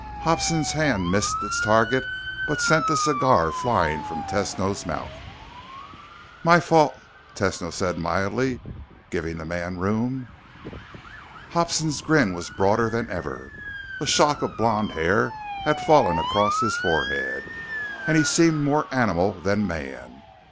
Hobson's hand missed its target but sent the cigar flying from Tesno's mouth. "My fault," Tesno said mildly, giving the man room. Hobson's grin was broader than ever. A shock of blond hair had fallen across his forehead, and he seemed more animal than man.